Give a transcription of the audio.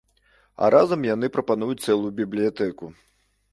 А разам яны прапануюць цэлую бібліятэку.